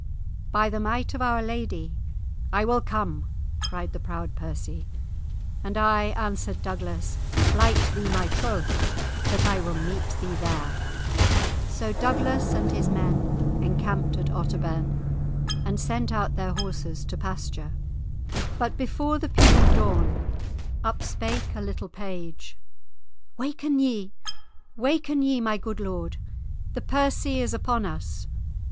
"By the might of Our Lady, I will come," cried the proud Percy. "And I," answered Douglas, "plight thee my troth that I will meet thee there." So Douglas and his men encamped at Otterbourne, and sent out their horses to pasture. But before the peep of dawn, up spake a little page: "Waken ye, waken ye, my good lord; the Percy is upon us!"